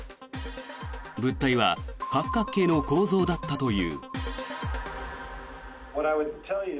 物体は八角形の構造だったという。